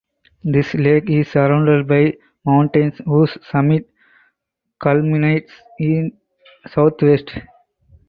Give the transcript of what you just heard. This lake is surrounded by mountains whose summit culminates in southwest.